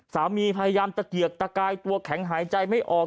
พยายามตะเกียกตะกายตัวแข็งหายใจไม่ออก